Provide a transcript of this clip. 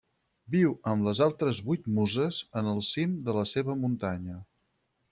Viu amb les altres vuit muses en el cim de la seva muntanya.